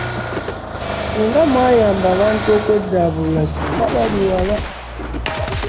Ssinga mwayamba abantu okweddaabulula ssinga bali wala.